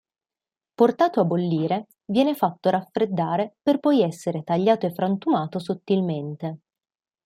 Portato a bollire, viene fatto raffreddare per poi essere tagliato e frantumato sottilmente.